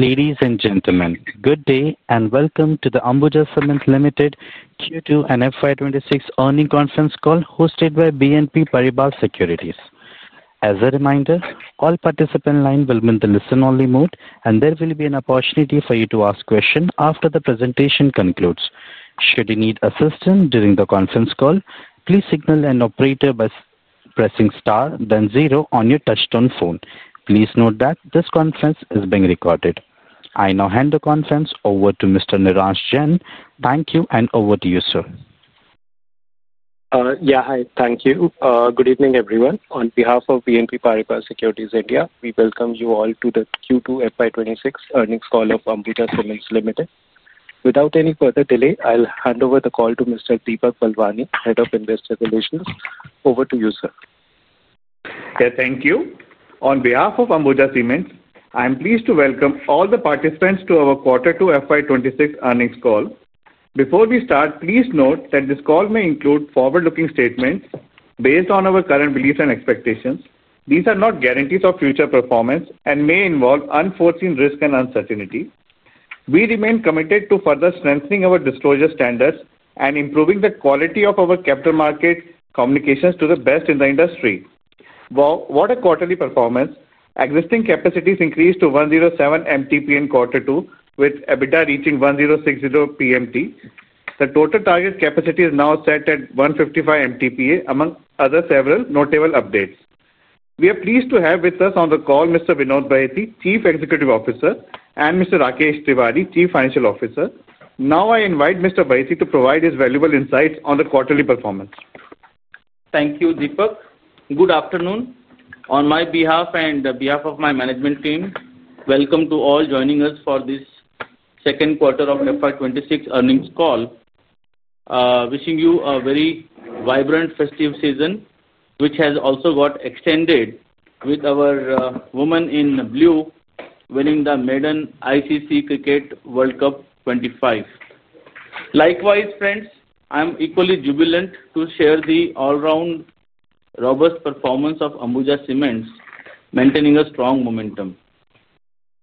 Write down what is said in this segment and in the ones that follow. Ladies and gentlemen, good day and welcome to the Ambuja Cements Limited Q2 and FY 2026 earning conference call hosted by BNP Paribas Securities. As a reminder, all participants in the line will be in the listen-only mode, and there will be an opportunity for you to ask questions after the presentation concludes. Should you need assistance during the conference call, please signal an operator by pressing star, then zero on your touch-tone phone. Please note that this conference is being recorded. I now hand the conference over to Mr. Niranjo Jen. Thank you, and over to you, sir. Yeah, hi. Thank you. Good evening, everyone. On behalf of BNP Paribas Securities India, we welcome you all to the Q2 FY 2026 earnings call of Ambuja Cements Limited. Without any further delay, I'll hand over the call to Mr. Deepak Balwani, Head of Investor Relations. Over to you, sir. Yeah, thank you. On behalf of Ambuja Cements, I'm pleased to welcome all the participants to our quarter two FY 2026 earnings call. Before we start, please note that this call may include forward-looking statements based on our current beliefs and expectations. These are not guarantees of future performance and may involve unforeseen risk and uncertainty. We remain committed to further strengthening our disclosure standards and improving the quality of our capital market communications to the best in the industry. While quarterly performance, existing capacities increased to 107 MTPA in quarter two, with EBITDA reaching 1,060 PMT. The total target capacity is now set at 155 MTPA, among other several notable updates. We are pleased to have with us on the call Mr. Vinod Bahety, Chief Executive Officer, and Mr. Rakesh Triwari, Chief Financial Officer. Now I invite Mr. Bahety to provide his valuable insights on the quarterly performance. Thank you, Deepak. Good afternoon. On my behalf and on behalf of my management team, welcome to all joining us for this second quarter of FY 2026 earnings call. Wishing you a very vibrant, festive season, which has also got extended with our woman in blue winning the Maiden ICC Cricket World Cup 2025. Likewise, friends, I'm equally jubilant to share the all-round robust performance of Ambuja Cements, maintaining a strong momentum.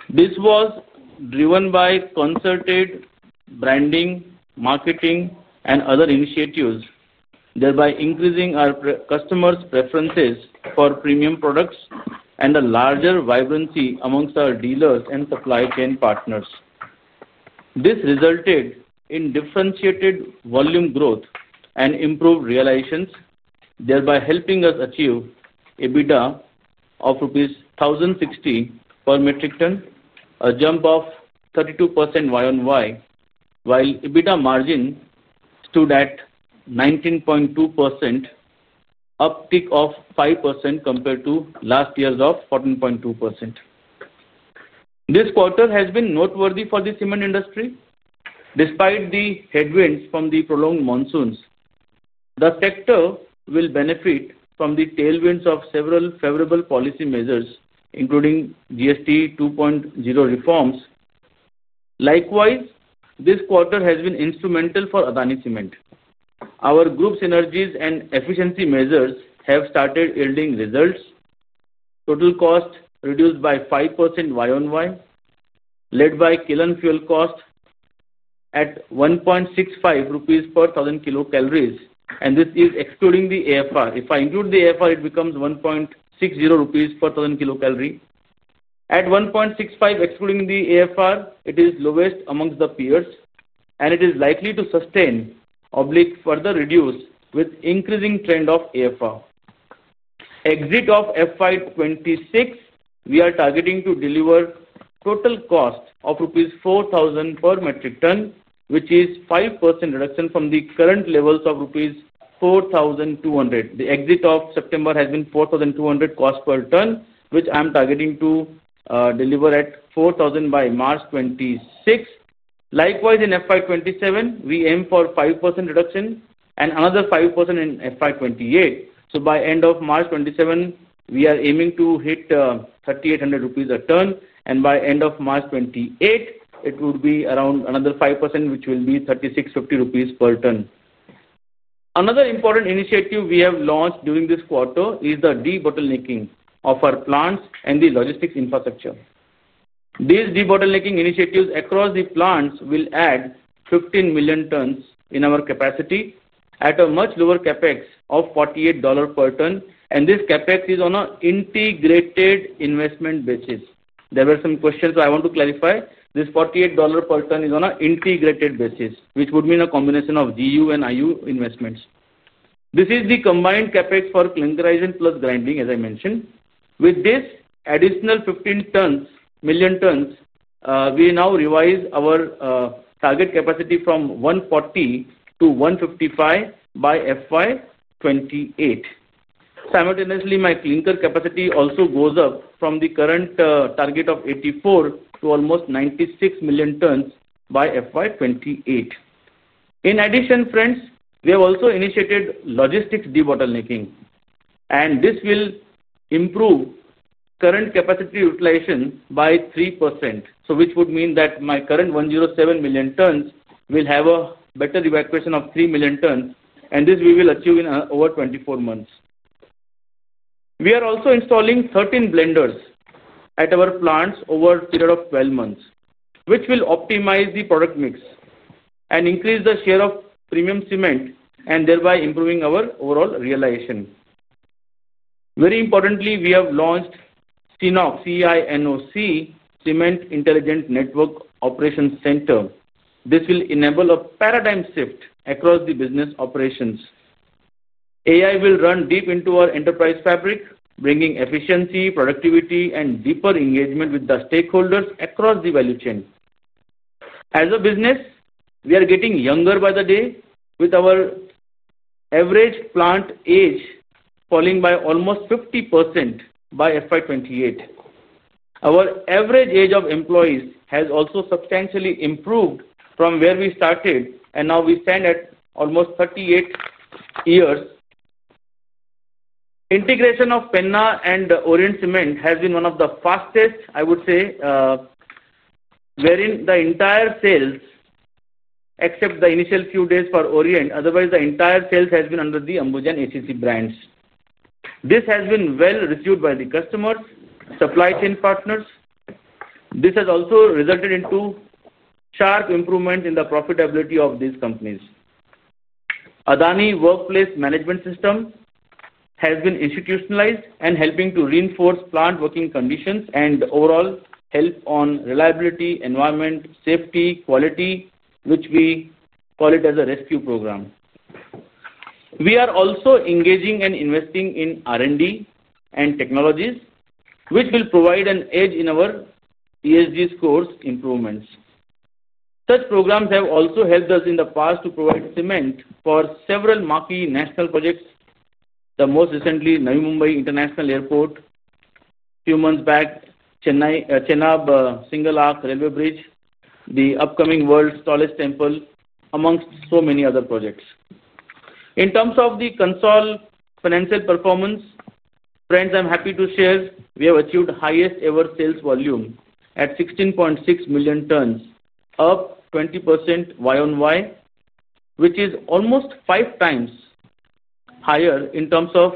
This was driven by concerted branding, marketing, and other initiatives, thereby increasing our customers' preferences for premium products and a larger vibrancy amongst our dealers and supply chain partners. This resulted in differentiated volume growth and improved realizations, thereby helping us achieve EBITDA of rupees 1,060 per metric ton, a jump of 32% YoY, while EBITDA margin stood at 19.2%. Uptick of 5% compared to last year's 14.2%. This quarter has been noteworthy for the cement industry. Despite the headwinds from the prolonged monsoons, the sector will benefit from the tailwinds of several favorable policy measures, including GST 2.0 reforms. Likewise, this quarter has been instrumental for Adani Cement. Our group synergies and efficiency measures have started yielding results. Total cost reduced YoY, led by kiln fuel cost at 1.65 rupees per 1,000 kilocalories, and this is excluding the AFR. If I include the AFR, it becomes 1.60 rupees per 1,000 kilocalories. At 1.65 excluding the AFR, it is lowest amongst the peers, and it is likely to sustain or further reduce with the increasing trend of AFR. Exit of FY 2026, we are targeting to deliver total cost of rupees 4,000 per metric ton, which is a 5% reduction from the current levels of rupees 4,200. The exit of September has been 4,200 cost per ton, which I'm targeting to deliver at 4,000 by March 2026. Likewise, in FY 2027, we aim for a 5% reduction and another 5% in FY 2028. By the end of March 2027, we are aiming to hit 3,800 rupees a ton, and by the end of March 2028, it would be around another 5%, which will be 3,650 rupees per ton. Another important initiative we have launched during this quarter is the debottlenecking of our plants and the logistics infrastructure. These debottlenecking initiatives across the plants will add 15 million tons in our capacity at a much lower CapEx of $48 per ton, and this CapEx is on an integrated investment basis. There were some questions, so I want to clarify. This $48 per ton is on an integrated basis, which would mean a combination of GU and IU investments. This is the combined CapEx for clinkerizing plus grinding, as I mentioned. With this additional 15 million tons, we now revise our target capacity from 140 to 155 by FY 2028. Simultaneously, my clinker capacity also goes up from the current target of 84 million to almost 96 million tons by FY 2028. In addition, friends, we have also initiated logistics debottlenecking, and this will improve current capacity utilization by 3%, which would mean that my current 107 million tons will have a better evacuation of 3 million tons, and this we will achieve in over 24 months. We are also installing 13 blenders at our plants over a period of 12 months, which will optimize the product mix and increase the share of premium cement, thereby improving our overall realization. Very importantly, we have launched CiNOC, CiNOC Cement Intelligent Network Operations Center. This will enable a paradigm shift across the business operations. AI will run deep into our enterprise fabric, bringing efficiency, productivity, and deeper engagement with the stakeholders across the value chain. As a business, we are getting younger by the day, with our average plant age falling by almost 50% by FY 2028. Our average age of employees has also substantially improved from where we started, and now we stand at almost 38 years. Integration of Penna and Orient Cement has been one of the fastest, I would say. Wherein the entire sales, except the initial few days for Orient, otherwise the entire sales has been under the Ambuja and ACC brands. This has been well received by the customers, supply chain partners. This has also resulted in sharp improvement in the profitability of these companies. Adani Workplace Management System has been institutionalized and helping to reinforce plant working conditions and overall help on reliability, environment, safety, quality, which we call it as a rescue program. We are also engaging and investing in R&D and technologies, which will provide an edge in our ESG scores improvements. Such programs have also helped us in the past to provide cement for several MAFI national projects, the most recently Navi Mumbai International Airport. A few months back, Chenab-Singalark Railway Bridge, the upcoming World's Tallest Temple, amongst so many other projects. In terms of the consol financial performance, friends, I'm happy to share we have achieved the highest-ever sales volume at 16.6 million tons, up 20% YoY. Which is almost 5x higher in terms of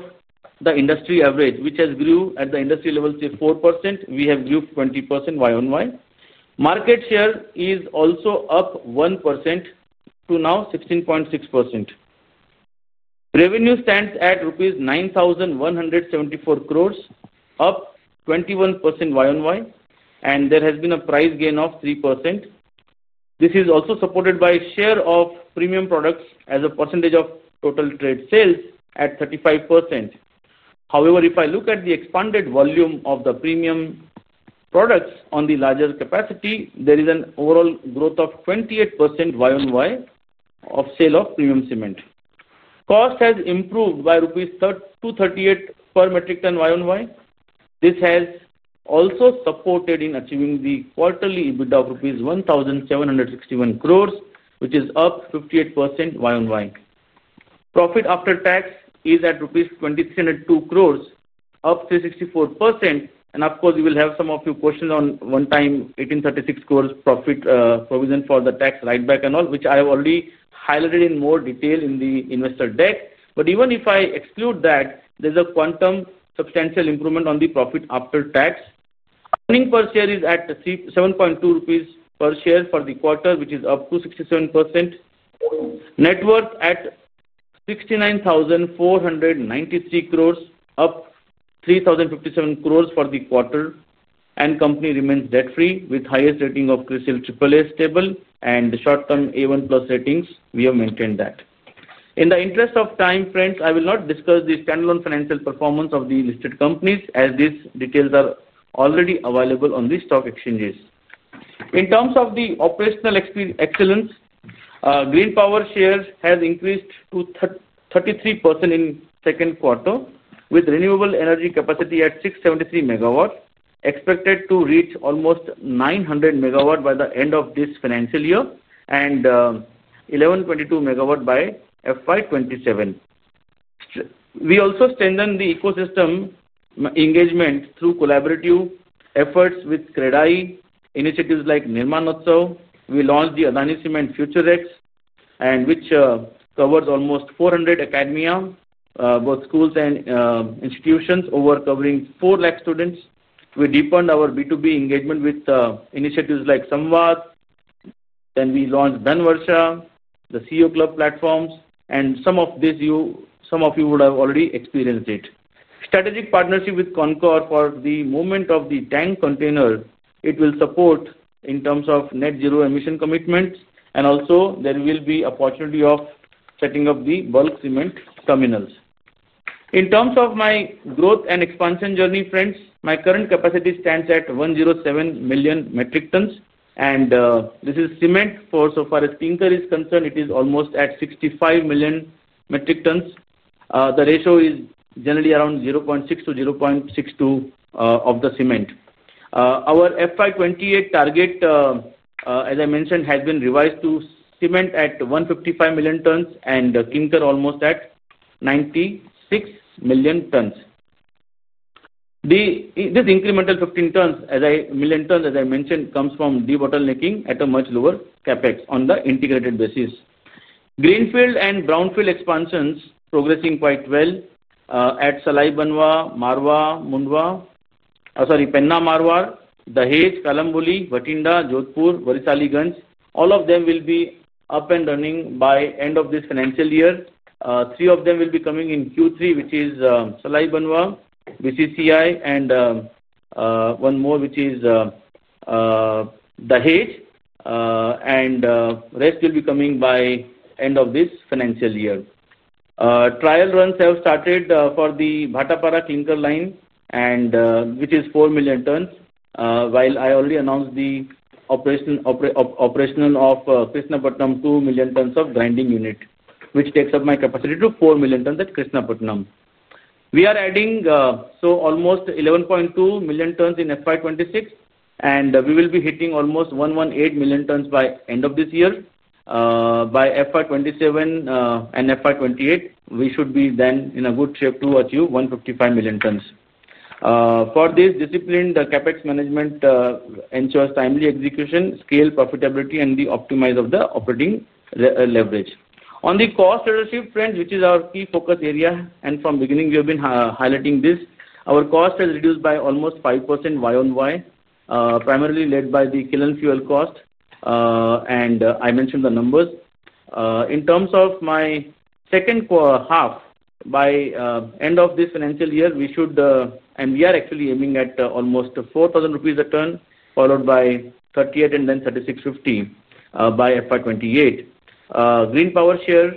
the industry average, which has grew at the industry level to 4%. We have grew 20% YoY. Market share is also up 1% to now 16.6%. Revenue stands at rupees 9,174 crores, up 21% YoY, and there has been a price gain of 3%. This is also supported by the share of premium products as a percentage of total trade sales at 35%. However, if I look at the expanded volume of the premium products on the larger capacity, there is an overall growth of 28% YoY of sale of premium cement. Cost has improved by rupees 238 per metric ton YoY. This has also supported in achieving the quarterly EBITDA of rupees 1,761 crores, which is up 58% YoY. Profit after tax is at rupees 2,302 crores, up 364%. Of course, we will have some of your questions on one-time 1,836 crore profit provision for the tax write-back and all, which I have already highlighted in more detail in the investor deck. Even if I exclude that, there is a quantum substantial improvement on the profit after tax. Earnings per share is at 7.2 rupees per share for the quarter, which is up 267%. Net worth at 69,493 crore, up 3,057 crore for the quarter, and the company remains debt-free with the highest rating of Crisil AAA stable and the short-term A1 plus ratings. We have maintained that. In the interest of time, friends, I will not discuss the standalone financial performance of the listed companies, as these details are already available on the stock exchanges. In terms of the operational excellence, green power shares have increased to 33% in the second quarter, with renewable energy capacity at 673 MW expected to reach almost 900 MW by the end of this financial year and 1,122 MW by FY 2027. We also strengthened the ecosystem engagement through collaborative efforts with CREDAI initiatives like NirmAAAnotsav. We launched the Adani Cement FutureX, which covers almost 400 academia, both schools and institutions, covering 400,000 students. We deepened our B2B engagement with initiatives like Samvad. We launched Dhanvarsha, the CEO Club platforms, and some of you would have already experienced it. Strategic partnership with CONCOR for the movement of the tank container will support in terms of net zero emission commitments, and also there will be an opportunity of setting up the bulk cement terminals. In terms of my growth and expansion journey, friends, my current capacity stands at 107 million metric tons, and this is cement so far. As clinker is concerned, it is almost at 65 million metric tons. The ratio is generally around 0.6 to 0.62 of the cement. Our FY 2028 target, as I mentioned, has been revised to cement at 155 million tons and clinker almost at 96 million tons. This incremental 15 million tons, as I mentioned, comes from debottlenecking at a much lower CapEx on the integrated basis. Greenfield and brownfield expansions are progressing quite well at Salai Banwa, Marwar, Mundwa, Penna Marwar, Dhaj, Kalamboli, Bathinda, Jodhpur, Varisali Ganj. All of them will be up and running by the end of this financial year. Three of them will be coming in Q3, which is Salai Banwa, BCCI, and one more, which is Dhaj. The rest will be coming by the end of this financial year. Trial runs have started for the Bhattaparra clinker line, which is 4 million tons, while I already announced the operational of Krishnapatnam, 2 million tons of grinding unit, which takes up my capacity to 4 million tons at Krishnapatnam. We are adding almost 11.2 million tons in FY 2026, and we will be hitting almost 118 million tons by the end of this year. By FY 2027 and FY 2028, we should be then in a good shape to achieve 155 million tons. For this discipline, the CapEx management ensures timely execution, scale profitability, and the optimize of the operating leverage. On the cost leadership, friends, which is our key focus area, and from the beginning, we have been highlighting this, our cost has reduced by almost 5% YoY, primarily led by the kiln fuel cost. I mentioned the numbers. In terms of my second half, by the end of this financial year, we should, and we are actually aiming at almost 4,000 rupees a ton, followed by 3,800 and then 3,650 by FY 2028. Green power share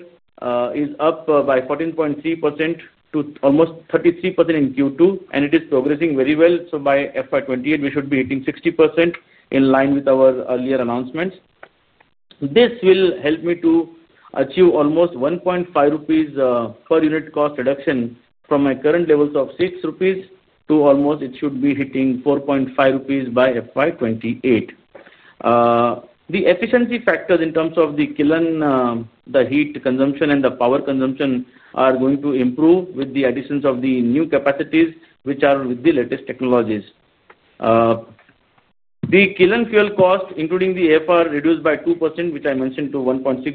is up by 14.3% to almost 33% in Q2, and it is progressing very well. By FY 2028, we should be hitting 60% in line with our earlier announcements. This will help me to achieve almost 1.5 rupees per unit cost reduction from my current levels of 6 rupees to almost, it should be hitting 4.5 rupees by FY 2028. The efficiency factors in terms of the kiln, the heat consumption, and the power consumption are going to improve with the additions of the new capacities, which are with the latest technologies. The kiln fuel cost, including the AFR, is reduced by 2%, which I mentioned to 1.60,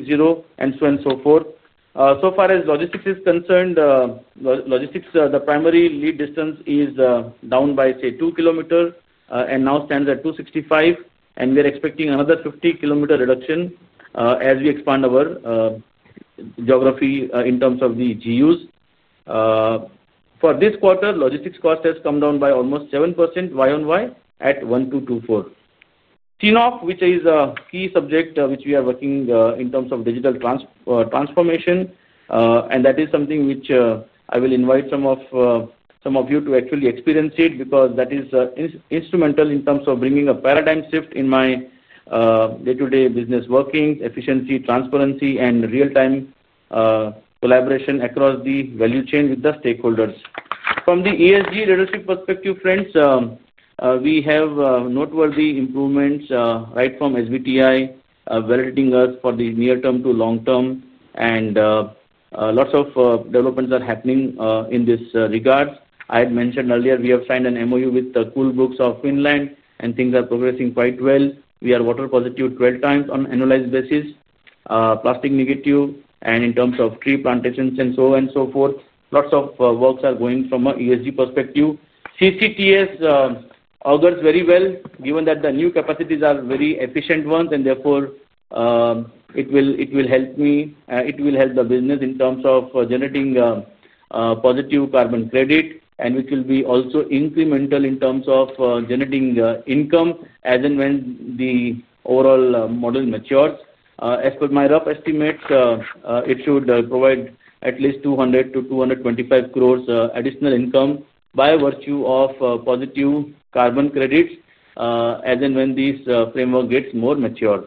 and so on and so forth. So far as logistics is concerned. Logistics, the primary lead distance is down by, say, 2 km and now stands at 265, and we are expecting another 50 km reduction as we expand our geography in terms of the GUs. For this quarter, logistics cost has come down by almost 7% year on year at 1,224. CiNOC, which is a key subject which we are working in terms of digital transformation, and that is something which I will invite some of you to actually experience it because that is instrumental in terms of bringing a paradigm shift in my day-to-day business working, efficiency, transparency, and real-time collaboration across the value chain with the stakeholders. From the ESG leadership perspective, friends, we have noteworthy improvements right from SBTi validating us for the near-term to long-term, and lots of developments are happening in this regard. I had mentioned earlier we have signed an MOU with the Cool Books of Finland, and things are progressing quite well. We are water positive 12 times on an annualized basis, plastic negative, and in terms of tree plantations and so on and so forth, lots of works are going from an ESG perspective. CCTS augurs very well, given that the new capacities are very efficient ones, and therefore it will help me, it will help the business in terms of generating positive carbon credit, and which will be also incremental in terms of generating income as and when the overall model matures. As per my rough estimates, it should provide at least 200 crores-225 crores additional income by virtue of positive carbon credits as and when this framework gets more mature.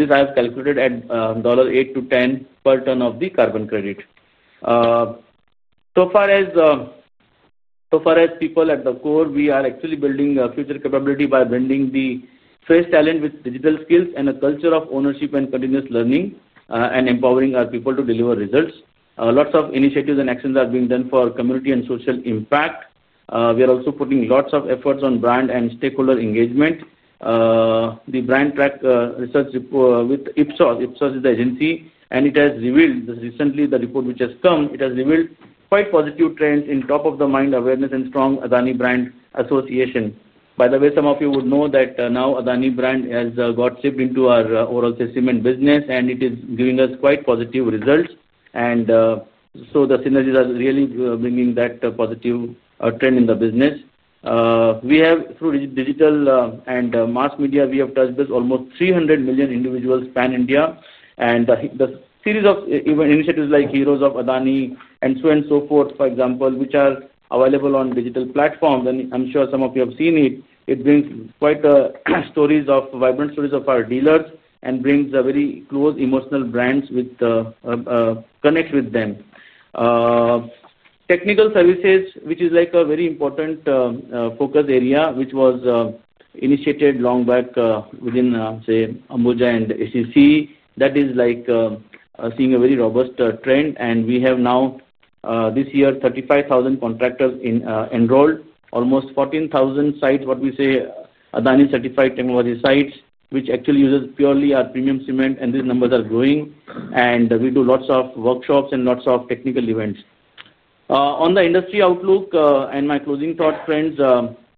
This I have calculated at $8-$10 per ton of the carbon credit. So far as people at the core, we are actually building future capability by blending the fresh talent with digital skills and a culture of ownership and continuous learning and empowering our people to deliver results. Lots of initiatives and actions are being done for community and social impact. We are also putting lots of efforts on brand and stakeholder engagement. The brand track research report with Ipsos, Ipsos is the agency, and it has revealed recently the report which has come, it has revealed quite positive trends in top-of-the-mind awareness and strong Adani Brand Association. By the way, some of you would know that now Adani Brand has got shipped into our overall cement business, and it is giving us quite positive results. The synergies are really bringing that positive trend in the business. We have, through digital and mass media, touched almost 300 million individuals pan India, and the series of initiatives like Heroes of Adani and so on and so forth, for example, which are available on digital platforms, and I am sure some of you have seen it. It brings quite stories of vibrant stories of our dealers and brings very close emotional brands with connect with them. Technical services, which is like a very important focus area, which was initiated long back within, say, Ambuja and ACC, that is like seeing a very robust trend, and we have now this year 35,000 contractors enrolled, almost 14,000 sites, what we say Adani certified technology sites, which actually uses purely our premium cement, and these numbers are growing, and we do lots of workshops and lots of technical events. On the industry outlook and my closing thought, friends,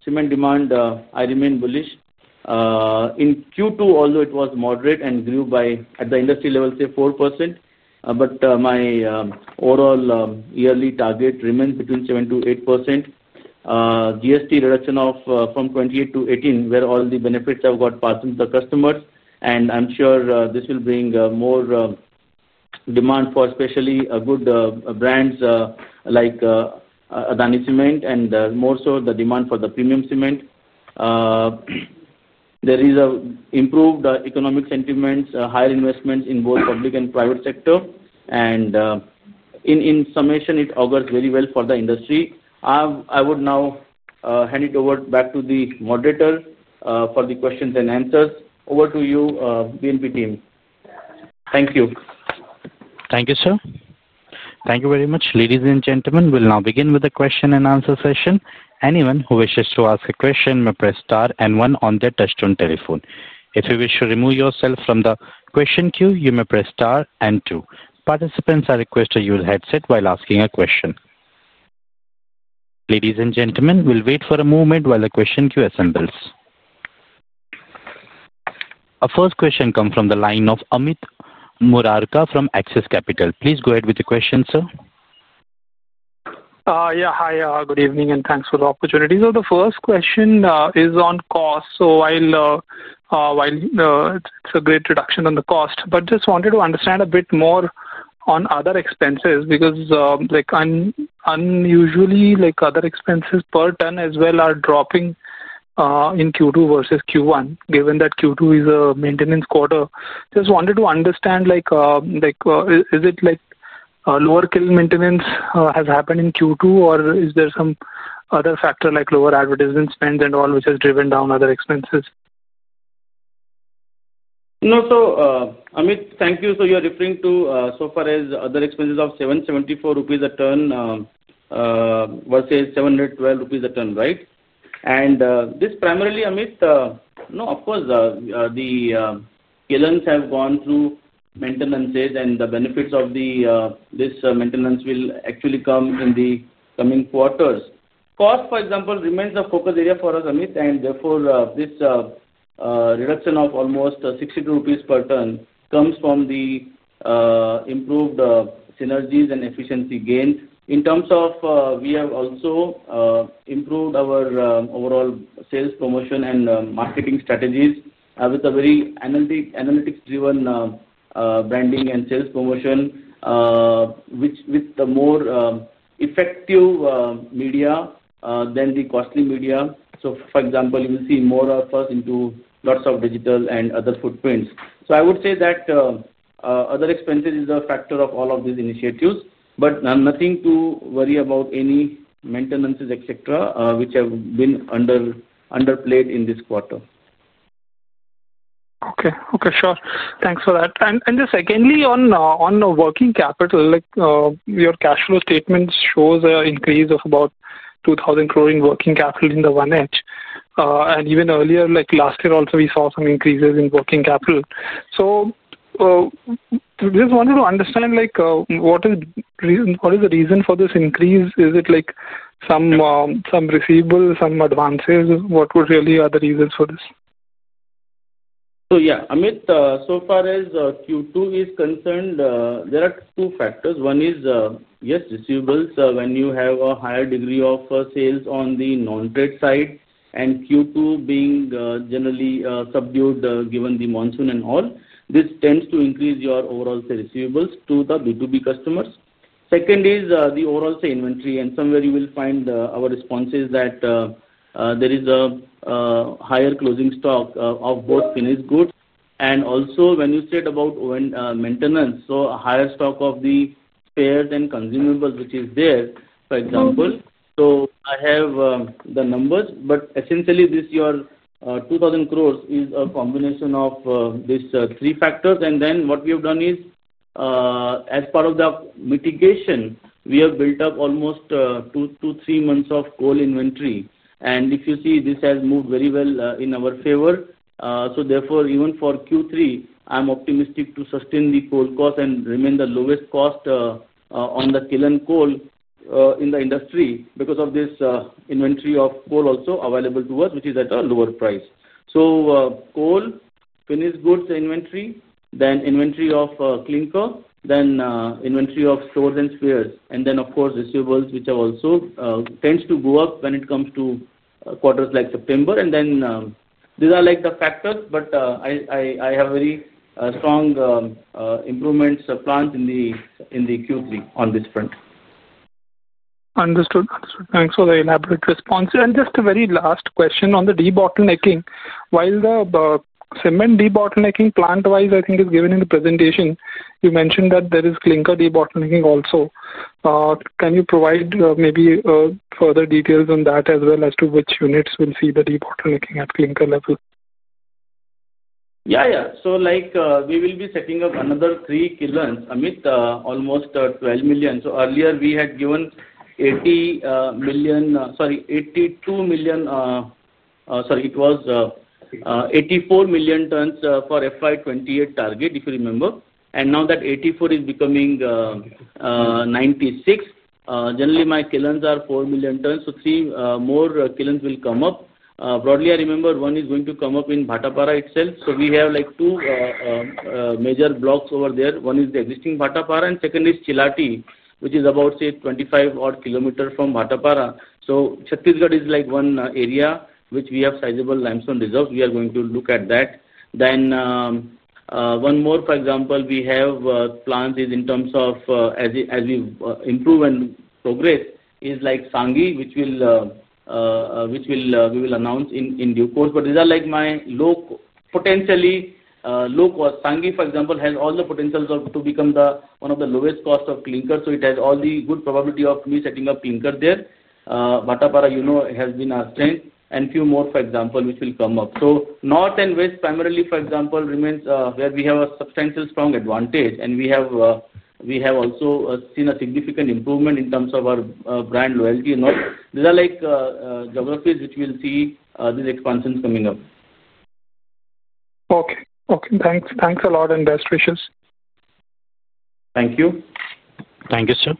cement demand, I remain bullish. In Q2, although it was moderate and grew by, at the industry level, say 4%, but my overall yearly target remains between 7%-8%. GST reduction from 28% to 18%, where all the benefits have got passed to the customers, and I am sure this will bring more demand for especially good brands like Adani Cement and more so the demand for the premium cement. There is an improved economic sentiment, higher investments in both public and private sector, and in summation, it augurs very well for the industry. I would now hand it over back to the moderator for the questions and answers. Over to you, BNP team. Thank you. Thank you, sir. Thank you very much. Ladies and gentlemen, we will now begin with the question and answer session. Anyone who wishes to ask a question may press star and one on their touchstone telephone. If you wish to remove yourself from the question queue, you may press star and two. Participants are requested to use headsets while asking a question. Ladies and gentlemen, we will wait for a moment while the question queue assembles. Our first question comes from the line of Amit Murarka from AXIS Capital. Please go ahead with the question, sir. Good evening and thanks for the opportunity. The first question is on cost. It is a great reduction on the cost, but just wanted to understand a bit more on other expenses because unusually, other expenses per ton as well are dropping in Q2 versus Q1, given that Q2 is a maintenance quarter. Just wanted to understand. Is it lower kiln maintenance has happened in Q2, or is there some other factor like lower advertisement spends and all, which has driven down other expenses? No, so Amit, thank you. You are referring to so far as other expenses of 774 rupees a ton versus 712 rupees a ton, right? This primarily, Amit, no, of course, the kilns have gone through maintenances, and the benefits of this maintenance will actually come in the coming quarters. Cost, for example, remains a focus area for us, Amit, and therefore this reduction of almost 62 rupees per ton comes from the improved synergies and efficiency gains. In terms of, we have also improved our overall sales promotion and marketing strategies with a very analytics-driven branding and sales promotion with the more effective media than the costly media. For example, you will see more of us into lots of digital and other footprints. I would say that other expenses is a factor of all of these initiatives, but nothing to worry about any maintenances, etc., which have been underplayed in this quarter. Okay. Okay, sure. Thanks for that. Just secondly, on working capital, your cash flow statement shows an increase of about 2,000 crore in working capital in the one edge. Even earlier, like last year also, we saw some increases in working capital. Just wanted to understand. What is the reason for this increase? Is it some receivables, some advances? What would really be the reasons for this? Yeah, Amit, so far as Q2 is concerned, there are two factors. One is, yes, receivables when you have a higher degree of sales on the non-trade side, and Q2 being generally subdued given the monsoon and all, this tends to increase your overall receivables to the B2B customers. Second is the overall inventory, and somewhere you will find our responses that there is a higher closing stock of both finished goods. Also, when you said about maintenance, a higher stock of the spares and consumables, which is there, for example. I have the numbers, but essentially this, your 2,000 crore is a combination of these three factors. What we have done is, as part of the mitigation, we have built up almost two to three months of coal inventory. If you see, this has moved very well in our favor. Therefore, even for Q3, I am optimistic to sustain the coal cost and remain the lowest cost. On the kiln coal in the industry because of this inventory of coal also available to us, which is at a lower price. So coal, finished goods inventory, then inventory of clinker, then inventory of stores and spares, and then, of course, receivables, which also tends to go up when it comes to quarters like September. These are like the factors, but I have very strong improvements planned in the Q3 on this front. Understood. Understood. Thanks for the elaborate response. Just a very last question on the debottlenecking. While the cement debottlenecking plant-wise, I think, is given in the presentation, you mentioned that there is clinker debottlenecking also. Can you provide maybe further details on that as well as to which units will see the debottlenecking at clinker level? Yeah, yeah. We will be setting up another three kilns, Amit, almost 12 million. Earlier, we had given 80 million, sorry, 82 million. Sorry, it was 84 million tons for FY 2028 target, if you remember. Now that 84 is becoming 96. Generally, my kilns are 4 million tons. Three more kilns will come up. Broadly, I remember one is going to come up in Bhatapara itself. We have two major blocks over there. One is the existing Bhatapara, and second is Chilati, which is about, say, 25 odd kilometers from Bhatapara. Chhattisgarh is one area which we have sizable limestone reserves. We are going to look at that. One more, for example, we have plans in terms of, as we improve and progress, is Sanghi, which we will announce in due course. These are my potentially low cost. Sanghi, for example, has all the potential to become one of the lowest costs of clinker. It has all the good probability of me setting up clinker there. Bhatapara has been our strength. A few more, for example, which will come up. North and west, primarily, for example, remains where we have a substantial strong advantage, and we have also seen a significant improvement in terms of our brand loyalty and all. These are geographies which will see these expansions coming up. Okay. Okay. Thanks. Thanks a lot, and best wishes. Thank you. Thank you, sir.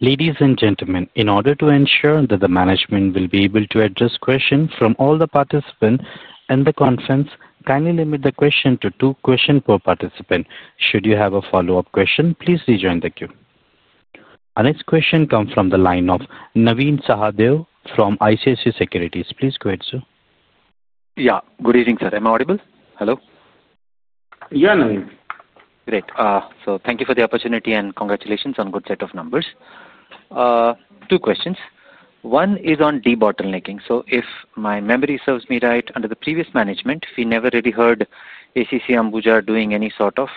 Ladies and gentlemen, in order to ensure that the management will be able to address questions from all the participants and the conference, kindly limit the question to two questions per participant. Should you have a follow-up question, please rejoin the queue. Our next question comes from the line of Naveen Sahadev from ICICI Securities. Please go ahead, sir. Yeah. Good evening, sir. Am I audible? Hello? Yeah, Naveen. Great. Thank you for the opportunity and congratulations on a good set of numbers. Two questions. One is on debottlenecking. If my memory serves me right, under the previous management, we never really heard ACC Ambuja doing any sort of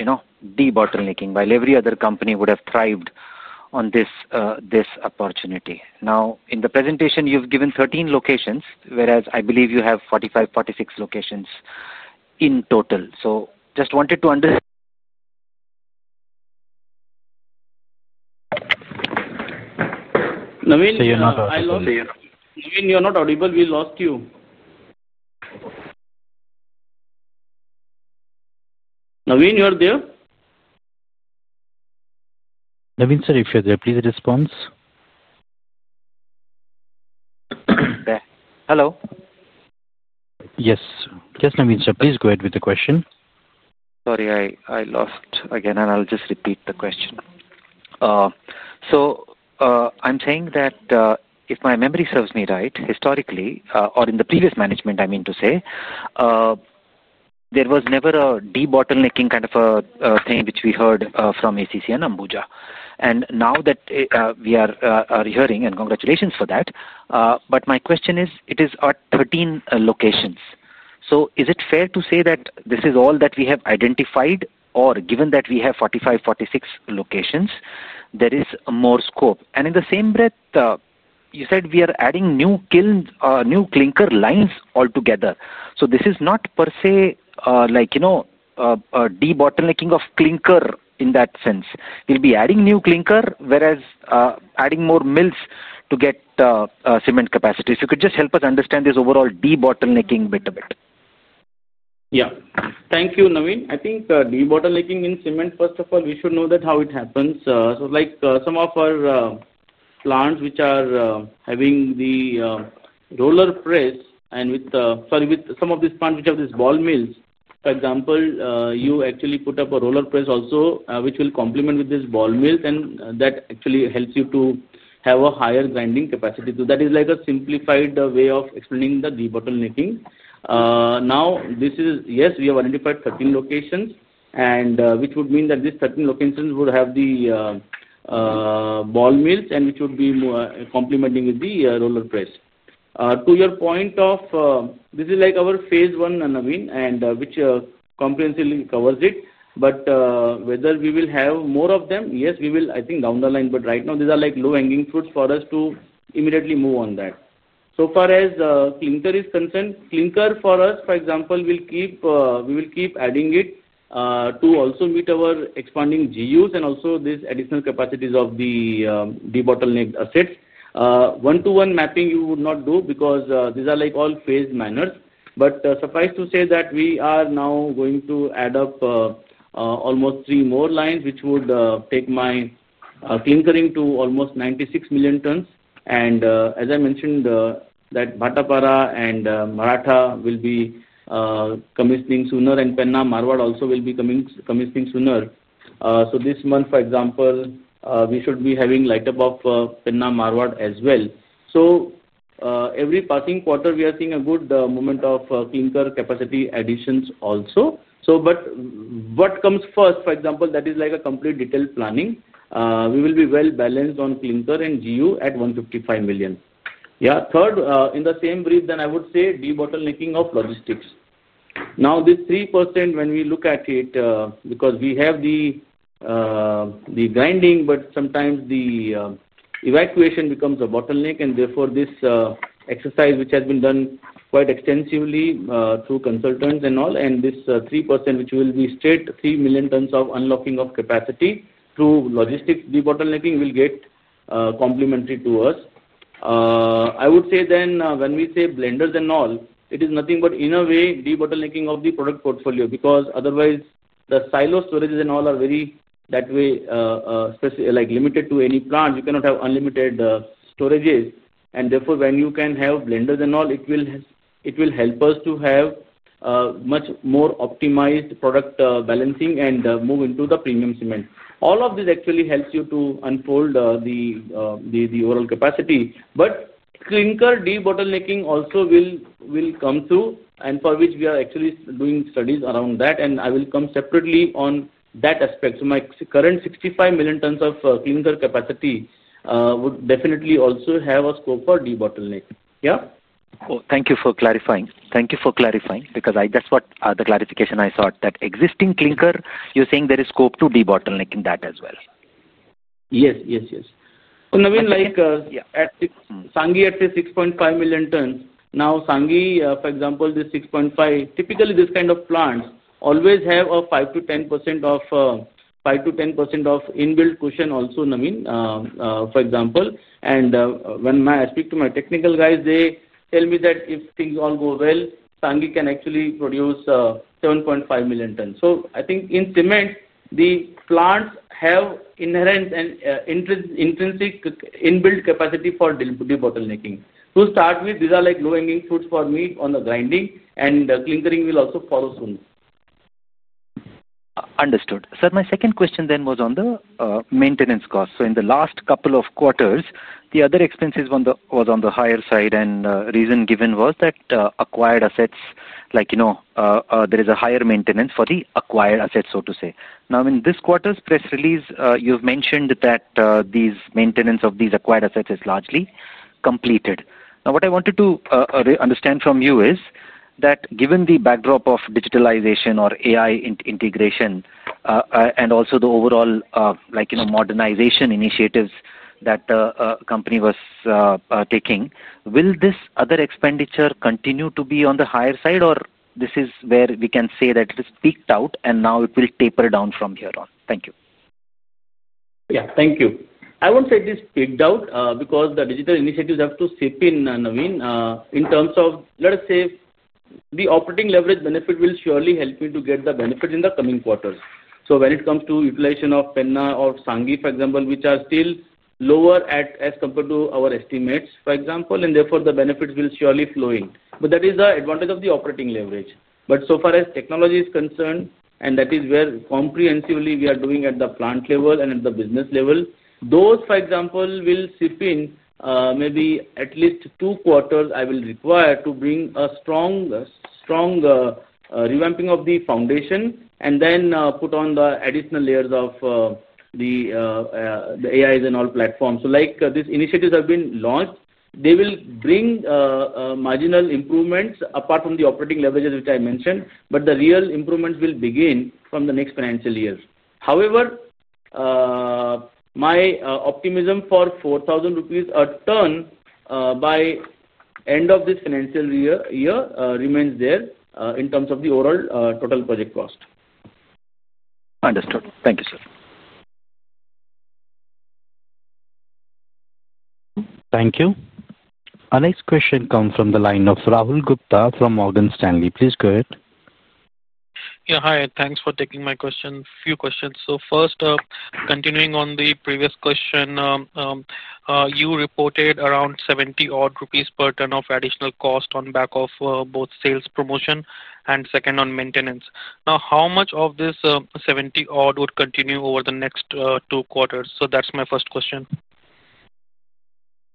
debottlenecking, while every other company would have thrived on this opportunity. Now, in the presentation, you've given 13 locations, whereas I believe you have 45-46 locations in total. Just wanted to understand. Naveen, I lost you. Naveen, you're not audible. We lost you. Naveen, are you there? Naveen sir, if you're there, please respond. Hello. Yes. Just Naveen sir, please go ahead with the question. Sorry, I lost again, and I'll just repeat the question. I'm saying that if my memory serves me right, historically, or in the previous management, I mean to say, there was never a debottlenecking kind of a thing which we heard from ACC and Ambuja. Now that we are hearing, and congratulations for that, but my question is, it is at 13 locations. Is it fair to say that this is all that we have identified, or given that we have 45-46 locations, there is more scope? In the same breath, you said we are adding new clinker lines altogether. This is not per se debottlenecking of clinker in that sense. We'll be adding new clinker, whereas adding more mills to get cement capacity. Could you just help us understand this overall debottlenecking bit of it? Yeah. Thank you, Naveen. I think debottlenecking in cement, first of all, we should know how it happens. Some of our plants which are having the roller press, and with, sorry, with some of these plants which have these ball mills, for example, you actually put up a roller press also, which will complement with this ball mill, and that actually helps you to have a higher grinding capacity. That is like a simplified way of explaining the debottlenecking. Now, yes, we have identified 13 locations, which would mean that these 13 locations would have the ball mills, and which would be complementing with the roller press. To your point, this is like our phase one, Naveen, and which comprehensively covers it. Whether we will have more of them, yes, we will, I think, down the line. Right now, these are low-hanging fruits for us to immediately move on that. So far as clinker is concerned, clinker for us, for example, we will keep adding it to also meet our expanding GUs and also these additional capacities of the debottleneck assets. One-to-one mapping you would not do because these are all phased manners. Suffice to say that we are now going to add up almost three more lines, which would take my clinkering to almost 96 million tons. As I mentioned, Bhatapara and Maratha will be commissioning sooner, and Penna Marwar also will be commissioning sooner. This month, for example, we should be having light-up of Penna Marwar as well. Every passing quarter, we are seeing a good moment of clinker capacity additions also. What comes first, for example, that is like a complete detailed planning. We will be well balanced on clinker and GU at 155 million. Yeah. Third, in the same breath, then I would say debottlenecking of logistics. Now, this 3%, when we look at it, because we have the grinding, but sometimes the evacuation becomes a bottleneck, and therefore this exercise, which has been done quite extensively through consultants and all, and this 3%, which will be straight 3 million tons of unlocking of capacity through logistics debottlenecking, will get complementary to us. I would say then when we say blenders and all, it is nothing but, in a way, debottlenecking of the product portfolio because otherwise the silo storages and all are very that way. Limited to any plant. You cannot have unlimited storages. Therefore, when you can have blenders and all, it will help us to have much more optimized product balancing and move into the premium cement. All of this actually helps you to unfold the overall capacity. But clinker debottlenecking also will come through, and for which we are actually doing studies around that, and I will come separately on that aspect. My current 65 million tons of clinker capacity would definitely also have a scope for debottleneck. Yeah? Oh, thank you for clarifying. Thank you for clarifying because that's what the clarification I sought. That existing clinker, you're saying there is scope to debottlenecking that as well? Yes. Yes. Yes. So Naveen, at Sanghi at 6.5 million tons, now Sanghi, for example, this 6.5, typically this kind of plants always have a 5-10% of inbuilt cushion also, Naveen, for example. When I speak to my technical guys, they tell me that if things all go well, Sanghi can actually produce 7.5 million tons. I think in cement, the plants have inherent and intrinsic inbuilt capacity for debottlenecking. To start with, these are like low-hanging fruits for me on the grinding, and clinkering will also follow soon. Understood. Sir, my second question then was on the maintenance cost. In the last couple of quarters, the other expenses was on the higher side, and the reason given was that acquired assets, like there is a higher maintenance for the acquired assets, so to say. Now, in this quarter's press release, you've mentioned that the maintenance of these acquired assets is largely completed. What I wanted to understand from you is that given the backdrop of digitalization or AI integration and also the overall modernization initiatives that the company was taking, will this other expenditure continue to be on the higher side, or this is where we can say that it is peaked out, and now it will taper down from here on? Thank you. Yeah. Thank you. I wouldn't say it is peaked out because the digital initiatives have to sip in, Naveen, in terms of, let us say, the operating leverage benefit will surely help you to get the benefits in the coming quarters. When it comes to utilization of Penna or Sanghi, for example, which are still lower as compared to our estimates, for example, and therefore the benefits will surely flow in. That is the advantage of the operating leverage. So far as technology is concerned, and that is where comprehensively we are doing at the plant level and at the business level, those, for example, will sip in maybe at least two quarters I will require to bring a strong revamping of the foundation and then put on the additional layers of the AIs and all platforms. These initiatives have been launched. They will bring marginal improvements apart from the operating leverages, which I mentioned, but the real improvements will begin from the next financial year. However, my optimism for 4,000 rupees a ton by end of this financial year remains there in terms of the overall total project cost. Understood. Thank you, sir. Thank you. Our next question comes from the line of Rahul Gupta from Morgan Stanley. Please go ahead. Yeah. Hi. Thanks for taking my few questions. First, continuing on the previous question. You reported around 70 rupees odd per ton of additional cost on back of both sales promotion and second on maintenance. Now, how much of this 70 odd would continue over the next two quarters? That is my first question.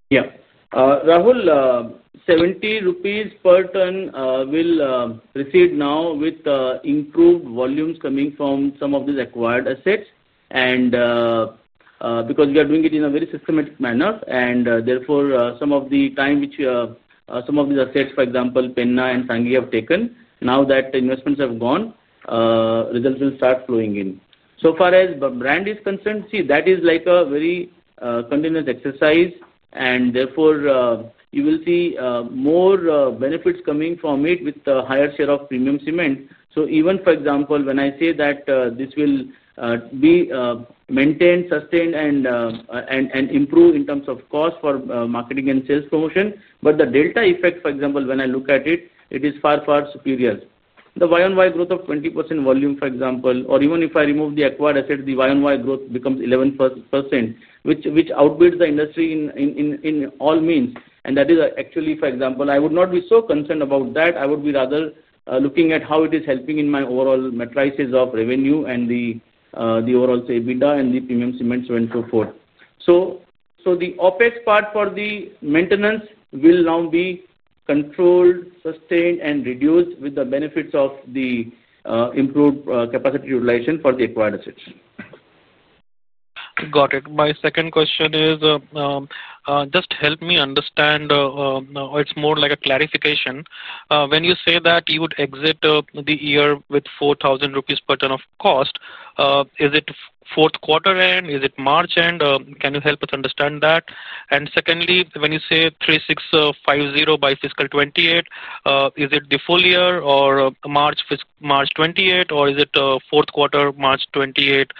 Yeah. Rahul, 70 rupees per ton will proceed now with improved volumes coming from some of these acquired assets. Because we are doing it in a very systematic manner, and therefore some of the time which some of these assets, for example, Penna and Sanghi have taken, now that investments have gone, results will start flowing in. So far as the brand is concerned, see, that is like a very continuous exercise, and therefore you will see more benefits coming from it with the higher share of premium cement. Even, for example, when I say that this will be maintained, sustained, and improved in terms of cost for marketing and sales promotion, but the delta effect, for example, when I look at it, it is far, far superior. The YoY growth of 20% volume, for example, or even if I remove the acquired asset, the YoY growth becomes 11%, which outbids the industry in all means. That is actually, for example, I would not be so concerned about that. I would be rather looking at how it is helping in my overall metrices of revenue and the overall EBITDA and the premium cements and so forth. The OpEx part for the maintenance will now be controlled, sustained, and reduced with the benefits of the improved capacity utilization for the acquired assets. Got it. My second question is, just help me understand. It is more like a clarification. When you say that you would exit the year with 4,000 rupees per ton of cost, is it fourth quarter end? Is it March end? Can you help us understand that? And secondly, when you say 3,650 by fiscal 2028, is it the full year or March 2028, or is it fourth quarter, March 2028?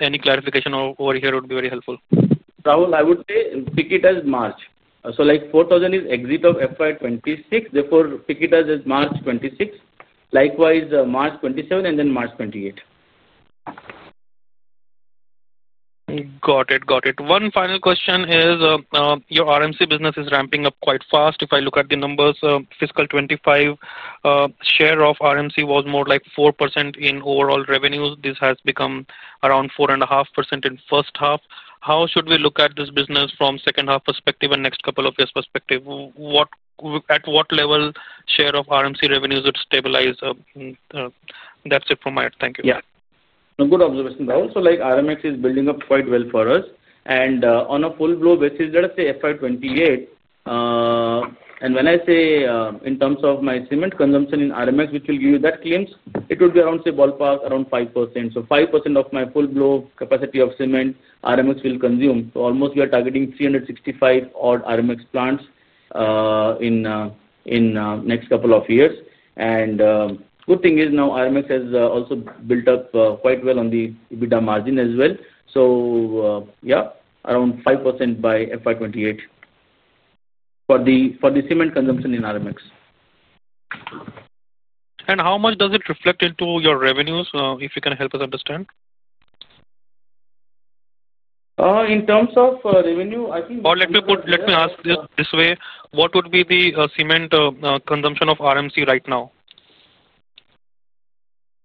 Any clarification over here would be very helpful. Rahul, I would say pick it as March. Like 4,000 is exit of FY 2026. Therefore, pick it as March 2026, likewise March 2027, and then March 2028. Got it. Got it. One final question is your RMC business is ramping up quite fast. If I look at the numbers, fiscal 2025. Share of RMC was more like 4% in overall revenues. This has become around 4.5% in first half. How should we look at this business from second-half perspective and next couple of years' perspective? At what level share of RMC revenues would stabilize? That's it from my end. Thank you. Yeah. Good observation, Rahul. RMX is building up quite well for us. On a full-blown basis, let us say FY 2028. When I say in terms of my cement consumption in RMX, which will give you that clearance, it would be around, say, ballpark around 5%. 5% of my full-blown capacity of cement RMX will consume. We are targeting 365 odd RMX plants in the next couple of years. Good thing is now RMX has also built up quite well on the EBITDA margin as well. Yeah, around 5% by FY 2028 for the cement consumption in RMX. How much does it reflect into your revenues, if you can help us understand? In terms of revenue, I think. Or let me ask this way. What would be the cement consumption of RMC right now?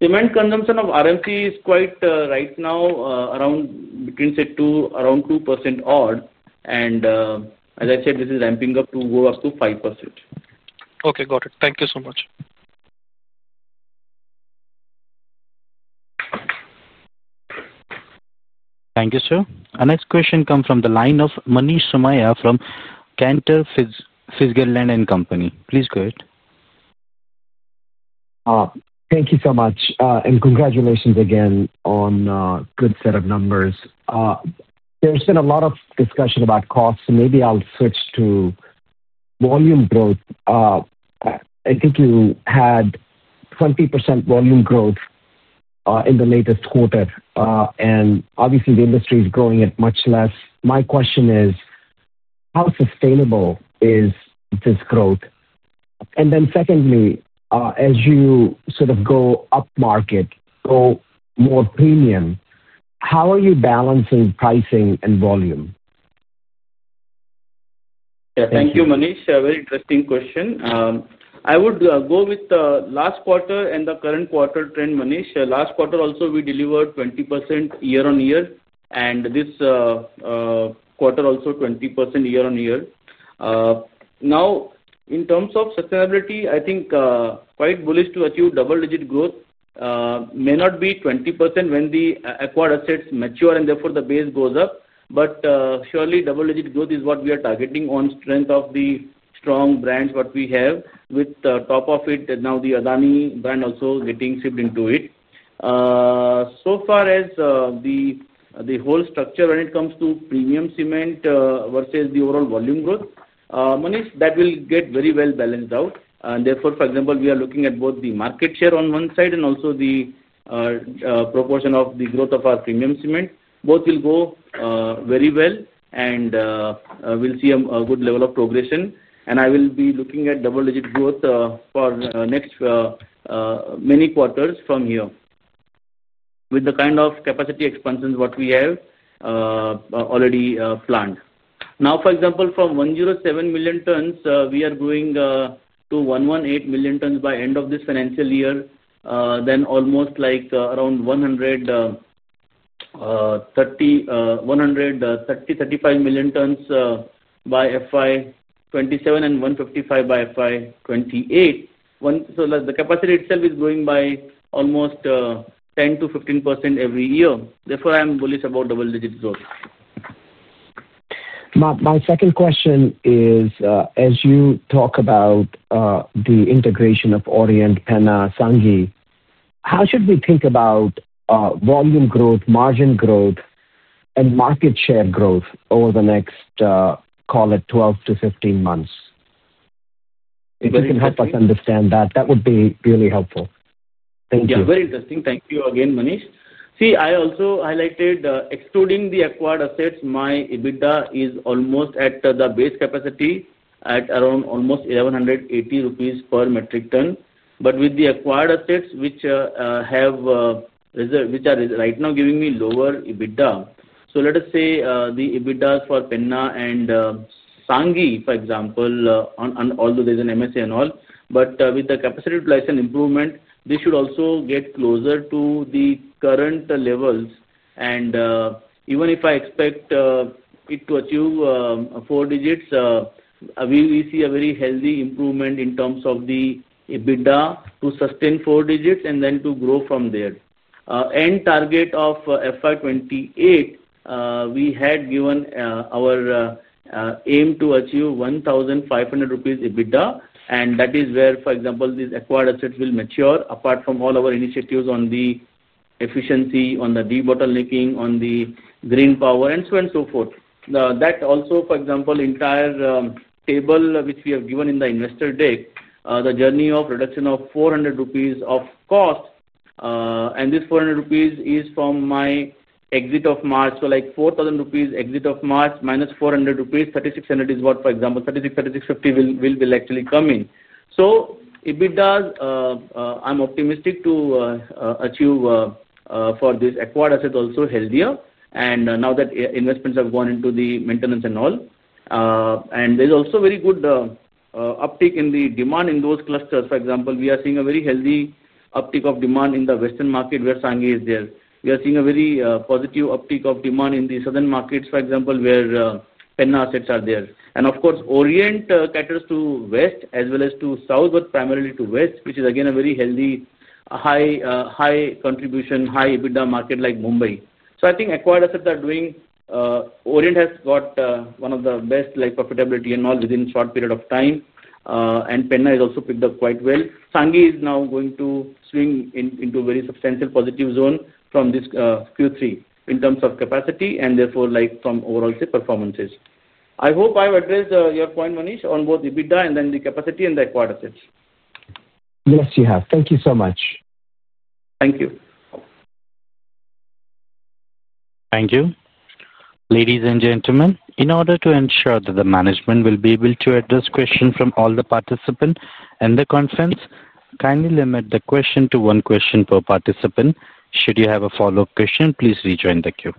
Cement consumption of RMC is quite right now around, between, say, around 2% odd. As I said, this is ramping up to go up to 5%. Okay. Got it. Thank you so much. Thank you, sir. Our next question comes from the line of Manish Sumaya from Cantor Fitzgerld Company and Company. Please go ahead. Thank you so much. Congratulations again on a good set of numbers. There's been a lot of discussion about costs, so maybe I'll switch to volume growth. I think you had 20% volume growth in the latest quarter, and obviously, the industry is growing at much less. My question is, how sustainable is this growth? Secondly, as you sort of go upmarket, go more premium, how are you balancing pricing and volume? Yeah. Thank you, Manish. Very interesting question. I would go with the last quarter and the current quarter trend, Manish. Last quarter also, we delivered 20% year on year, and this quarter also, 20% year on year. In terms of sustainability, I think quite bullish to achieve double-digit growth. May not be 20% when the acquired assets mature, and therefore the base goes up. Surely, double-digit growth is what we are targeting on strength of the strong brands that we have, with top of it now the Adani brand also getting shipped into it. So far as the whole structure, when it comes to premium cement versus the overall volume growth, Manish, that will get very well balanced out. Therefore, for example, we are looking at both the market share on one side and also the proportion of the growth of our premium cement. Both will go very well. We will see a good level of progression. I will be looking at double-digit growth for next many quarters from here with the kind of capacity expansions we have already planned. For example, from 107 million tons, we are going to 118 million tons by end of this financial year, then almost like around 130 million-135 million tons by FY 2027 and 155 by FY 2028. The capacity itself is growing by almost 10%-15% every year. Therefore, I am bullish about double-digit growth. My second question is, as you talk about the integration of Orient, Penna, Sanghi, how should we think about volume growth, margin growth, and market share growth over the next, call it, 12 to 15 months? If you can help us understand that, that would be really helpful. Thank you. Yeah. Very interesting. Thank you again, Manish. See, I also highlighted excluding the acquired assets, my EBITDA is almost at the base capacity at around almost INR 1,180 per metric ton. With the acquired assets, which have right now given me lower EBITDA, so let us say the EBITDAs for Penna and Sanghi, for example, although there is an MSA and all, but with the capacity utilization improvement, this should also get closer to the current levels. Even if I expect it to achieve four digits, we see a very healthy improvement in terms of the EBITDA to sustain four digits and then to grow from there. End target of FY 2028, we had given our aim to achieve 1,500 rupees EBITDA, and that is where, for example, these acquired assets will mature, apart from all our initiatives on the efficiency, on the debottlenecking, on the green power, and so on and so forth. That also, for example, entire table which we have given in the investor deck, the journey of reduction of 400 rupees of cost. This 400 rupees is from my exit of March. So like 4,000 rupees exit of March -400 rupees, 3,600 rupees is what, for example, 3,650 rupees will actually come in. EBITDA, I am optimistic to achieve for these acquired assets also healthier. Now that investments have gone into the maintenance and all, there is also very good uptake in the demand in those clusters. For example, we are seeing a very healthy uptake of demand in the Western market where Sanghi is there. We are seeing a very positive uptake of demand in the Southern markets, for example, where Penna assets are there. Of course, Orient caters to West as well as to South, but primarily to West, which is again a very healthy, high-contribution, high EBITDA market like Mumbai. I think acquired assets are doing—Orient has got one of the best profitability and all within a short period of time. Penna is also picked up quite well. Sanghi is now going to swing into a very substantial positive zone from this Q3 in terms of capacity and therefore from overall performances. I hope I have addressed your point, Manish, on both EBITDA and then the capacity and the acquired assets. Yes, you have. Thank you so much. Thank you. Thank you. Ladies and gentlemen, in order to ensure that the management will be able to address questions from all the participants in the conference, kindly limit the question to one question per participant. Should you have a follow-up question, please rejoin the queue.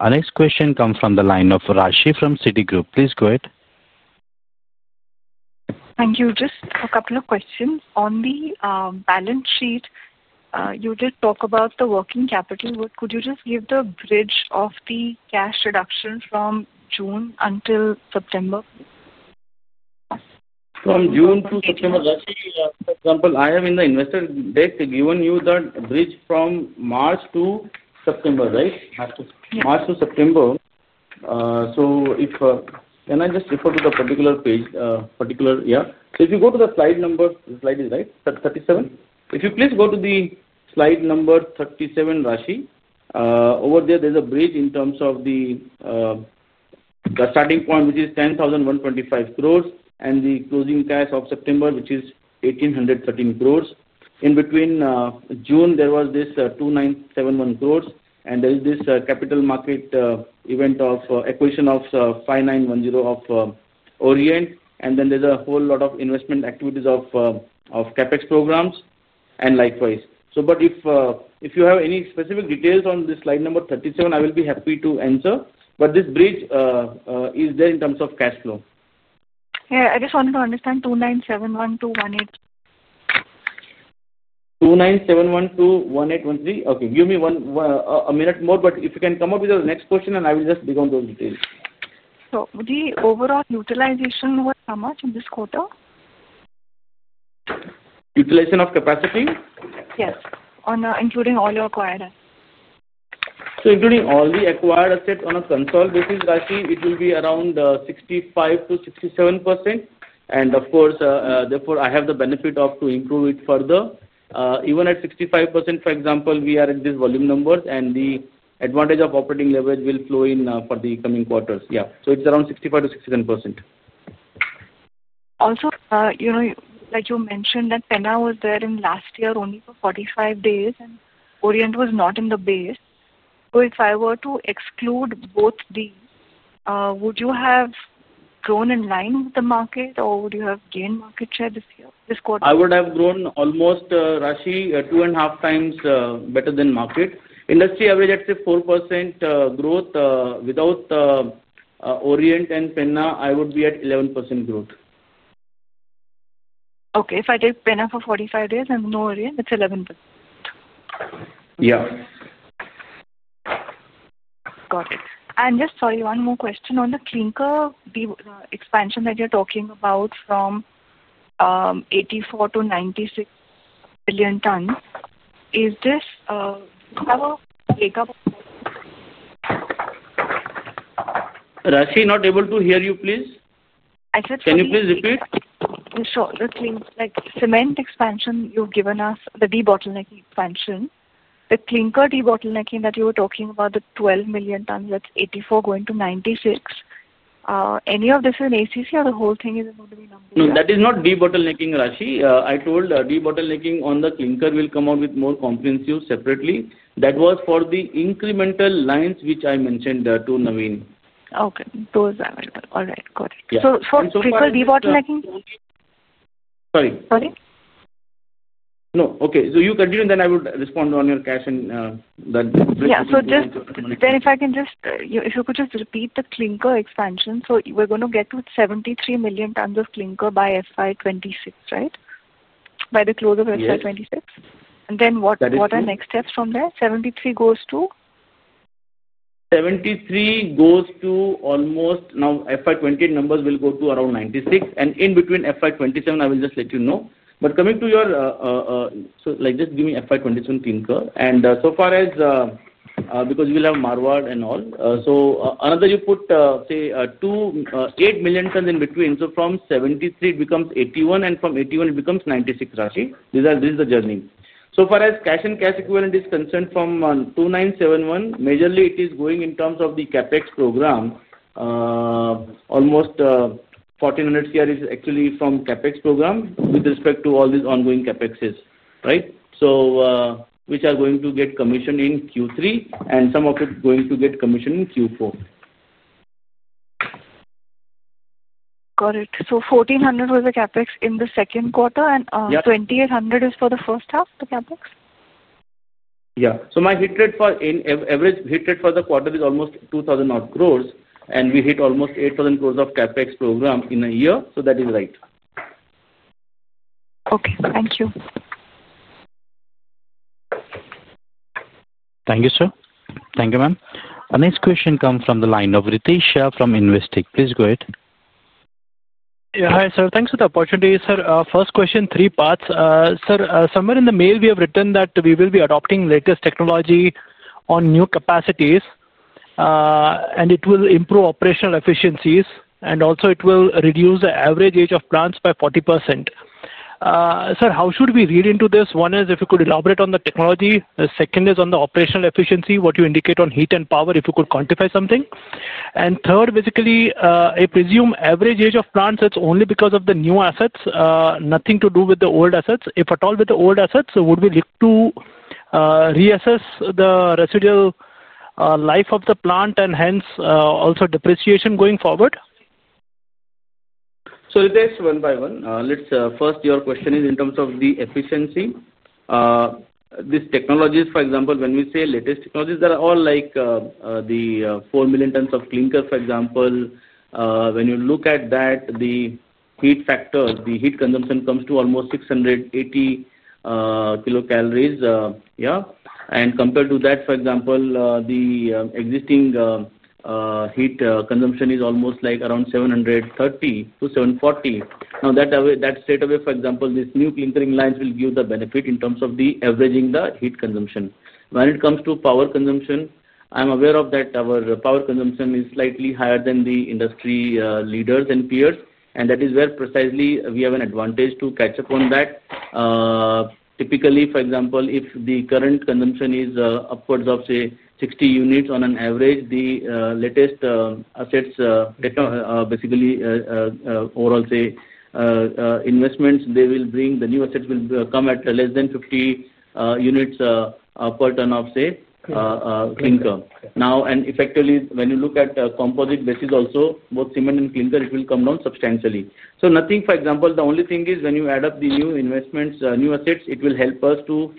Our next question comes from the line of Rashi from Citigroup. Please go ahead. Thank you. Just a couple of questions. On the balance sheet, you did talk about the working capital. Could you just give the bridge of the cash reduction from June until September? From June to September, Rashi, for example, I have in the investor deck given you the bridge from March to September, right? March to September. Can I just refer to the particular page? Yeah. If you go to the slide number, the slide is, right, 37. If you please go to the slide number 37, Rashi. Over there, there is a bridge in terms of the starting point, which is 10,125 crore, and the closing cash of September, which is 1,813 crore. In between, June, there was this 2,971 crore, and there is this capital market event of acquisition of 5,910 crore of Orient. Then there is a whole lot of investment activities of CapEx programs and likewise. If you have any specific details on this slide number 37, I will be happy to answer. This bridge is there in terms of cash flow. Yeah. I just wanted to understand 2,971 crore-1,800 crore. 2,971 crore to 1,813 crore? Okay. Give me a minute more, but if you can come up with the next question, I will just dig on those details. So the overall utilization was how much in this quarter? Utilization of capacity? Yes. Including all your acquired assets? Including all the acquired assets on a consolidated basis, Rashi, it will be around 65%-67%. Of course, therefore, I have the benefit of improving it further. Even at 65%, for example, we are at these volume numbers, and the advantage of operating leverage will flow in for the coming quarters. Yeah. So it is around 65%-67% also. Like you mentioned, that Penna was there last year only for 45 days, and Orient was not in the base. If I were to exclude both these, would you have grown in line with the market, or would you have gained market share this quarter? I would have grown almost, Rashi, 2.5x better than market. Industry average, let's say 4% growth. Without Orient and Penna, I would be at 11% growth. Okay. If I take Penna for 45 days and no Orient, it is 11%. Yeah. Got it. Sorry, one more question on the clinker expansion that you are talking about from 84 million-96 million tons. Do you have a breakup? Rashi, not able to hear you, please. I said sorry. Can you please repeat? Sure. The cement expansion you have given us, the debottlenecking expansion, the clinker debottlenecking that you were talking about, the 12 million tons, that is 84 going to 96. Any of this is in ACC, or the whole thing is going to be numbered? No, that is not debottlenecking, Rashi. I told debottlenecking on the clinker will come out with more comprehensive separately. That was for the incremental lines, which I mentioned to Naveen. Okay. Those are available. All right. Got it. Clinker debottlenecking? Sorry. Sorry? No. Okay. You continue, and then I will respond on your cash and that. Yeah. If I can just, if you could just repeat the clinker expansion. We are going to get to 73 million tons of clinker by FY 2026, right? By the close of FY 2026? What are next steps from there? 73 goes to? 73 goes to almost now FY 2028 numbers will go to around 96. In between FY 2027, I will just let you know. Coming to your—so just give me FY 2027 clinker. So far as—because we will have Marwar and all. Another, you put, say, 8 million tons in between. From 73, it becomes 81, and from 81, it becomes 96, Rashi. This is the journey. So far as cash and cash equivalent is concerned from 2,971 crore, majorly it is going in terms of the CapEx program. Almost 1,400 crore actually from CapEx program with respect to all these ongoing CapExes, right? Which are going to get commissioned in Q3, and some of it going to get commissioned in Q4. Got it. 1,400 crore was the CapEx in the second quarter, and 2,800 crore is for the first half, the CapEx? Yeah. My average hit rate for the quarter is almost 2,000 crore, and we hit almost 8,000 crore of CapEx program in a year. That is right. Thank you. Thank you, sir. Thank you, ma'am. Our next question comes from the line of Ritesh Shah from Investec. Please go ahead. Yeah. Hi, sir. Thanks for the opportunity, sir. First question, three parts. Sir, somewhere in the mail, we have written that we will be adopting latest technology on new capacities. It will improve operational efficiencies, and also, it will reduce the average age of plants by 40%. Sir, how should we read into this? One is if you could elaborate on the technology. The second is on the operational efficiency, what you indicate on heat and power, if you could quantify something. Third, basically, I presume average age of plants, it is only because of the new assets, nothing to do with the old assets. If at all with the old assets, would we look to reassess the residual life of the plant and hence also depreciation going forward? So Ritesh, one by one, first your question is in terms of the efficiency. These technologies, for example, when we say latest technologies, they are all like the 4 million tons of clinker, for example. When you look at that, the heat factor, the heat consumption comes to almost 680 kilocalories. Yeah. Compared to that, for example, the existing heat consumption is almost like around 730-740. That straightaway, for example, these new clinkering lines will give the benefit in terms of averaging the heat consumption. When it comes to power consumption, I am aware that our power consumption is slightly higher than the industry leaders and peers. That is where precisely we have an advantage to catch up on that. Typically, for example, if the current consumption is upwards of, say, 60 units on an average, the latest assets basically, overall, say, investments, they will bring the new assets will come at less than 50 units per ton of, say, clinker. Now, and effectively, when you look at composite basis also, both cement and clinker, it will come down substantially. Nothing, for example, the only thing is when you add up the new investments, new assets, it will help us to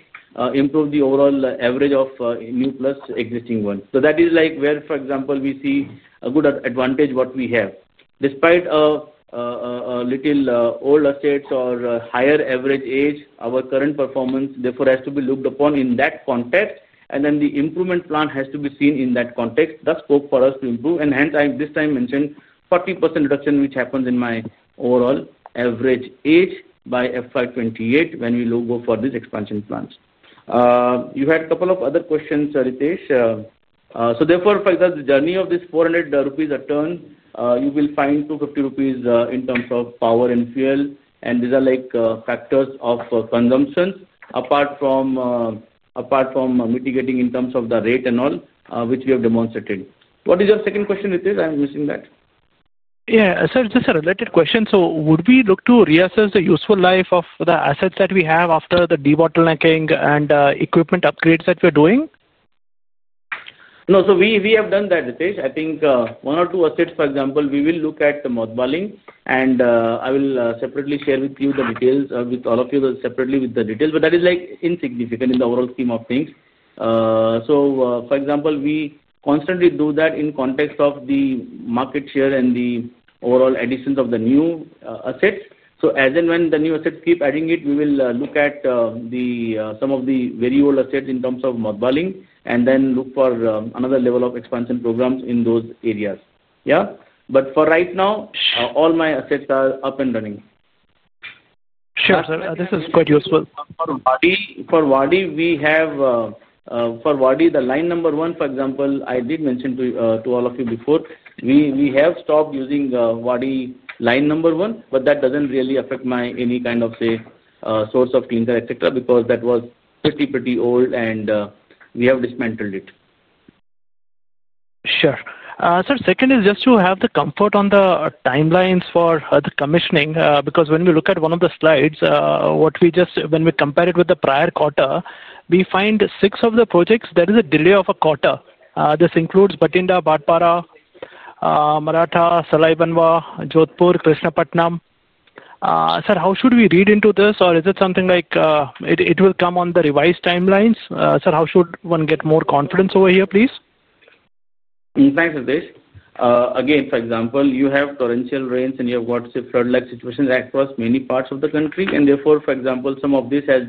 improve the overall average of new plus existing ones. That is like where, for example, we see a good advantage what we have. Despite a little old assets or higher average age, our current performance, therefore, has to be looked upon in that context. The improvement plan has to be seen in that context, thus hope for us to improve. Hence, this time mentioned 40% reduction, which happens in my overall average age by FY 2028 when we go for these expansion plans. You had a couple of other questions, Ritesh. Therefore, for the journey of this 400 rupees a ton, you will find 250 rupees in terms of power and fuel. These are like factors of consumptions apart from mitigating in terms of the rate and all, which we have demonstrated. What is your second question, Ritesh? I am missing that. Yeah. Sir, this is a related question. Would we look to reassess the useful life of the assets that we have after the debottlenecking and equipment upgrades that we're doing? No. We have done that, Ritesh. I think one or two assets, for example, we will look at the mud balling. I will separately share with you the details, with all of you separately, with the details. That is insignificant in the overall scheme of things. For example, we constantly do that in context of the market share and the overall additions of the new assets. As and when the new assets keep adding, we will look at some of the very old assets in terms of mud balling and then look for another level of expansion programs in those areas. Yeah. For right now, all my assets are up and running. Sure, sir. This is quite useful. For Wadi, we have—for Wadi, the line number one, for example, I did mention to all of you before, we have stopped using Wadi line number one, but that does not really affect any kind of, say, source of clinker, etc., because that was pretty, pretty old, and we have dismantled it. Sure. Sir, second is just to have the comfort on the timelines for the commissioning. When we look at one of the slides, when we compare it with the prior quarter, we find six of the projects, there is a delay of a quarter. This includes Bathinda, Bhatpara, Maratha, Salai Banwa, Jodhpur, Krishnapatnam. Sir, how should we read into this? Is it something like it will come on the revised timelines? Sir, how should one get more confidence over here, please? Thanks, Ritesh. For example, you have torrential rains, and you have got, say, flood-like situations across many parts of the country. Therefore, for example, some of this has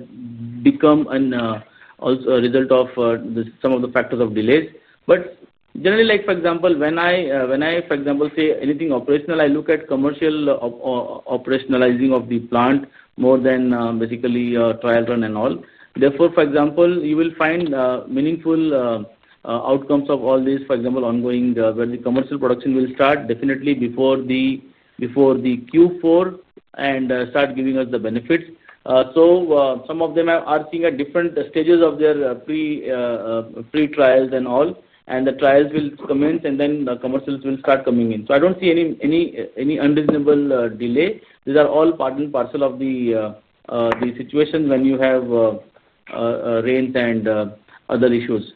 become a result of some of the factors of delays. Generally, for example, when I say anything operational, I look at commercial operationalizing of the plant more than basically trial run and all. Therefore, for example, you will find meaningful outcomes of all these, for example, ongoing where the commercial production will start definitely before the Q4 and start giving us the benefits. Some of them are seeing different stages of their pre-trials and all, and the trials will commence, and then the commercials will start coming in. I do not see any unreasonable delay. These are all part and parcel of the situation when you have rains and other issues.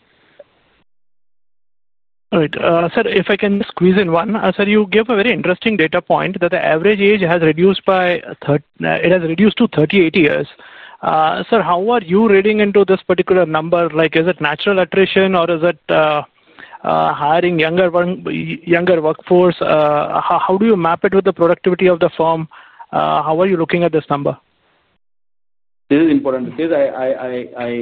All right. Sir, if I can squeeze in one. Sir, you gave a very interesting data point that the average age has reduced by—it has reduced to 38 years. Sir, how are you reading into this particular number? Is it natural attrition, or is it hiring younger workforce? How do you map it with the productivity of the firm? How are you looking at this number? This is important, Ritesh. I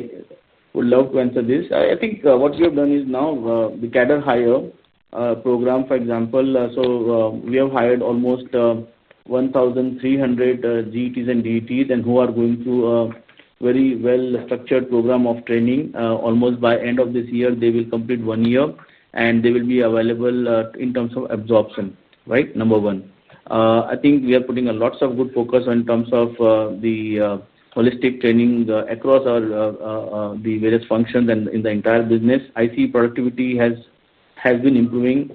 would love to answer this. I think what we have done is now the CADR Hire Program, for example. We have hired almost 1,300 GETs and DETs who are going through a very well-structured program of training. Almost by end of this year, they will complete one year, and they will be available in terms of absorption, right? Number one. I think we are putting lots of good focus in terms of the holistic training across the various functions and in the entire business. I see productivity has been improving